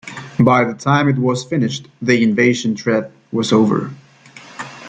By the time it was finished, the invasion threat was over.